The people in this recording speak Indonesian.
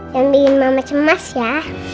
jangan bikin mama cemas ya